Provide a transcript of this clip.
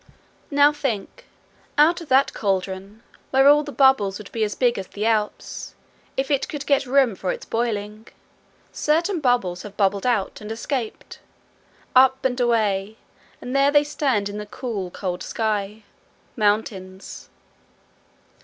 Now think: out of that cauldron, where all the bubbles would be as big as the Alps if it could get room for its boiling, certain bubbles have bubbled out and escaped up and away, and there they stand in the cool, cold sky mountains.